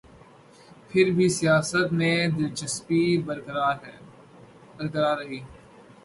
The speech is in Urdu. پھر بھی سیاست میں دلچسپی برقرار رہی۔